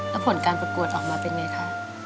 แล้วผลการประกวดออกมาเป็นไงคะ